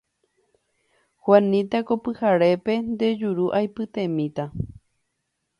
Juanita ko pyharépe nde juru aipytemíta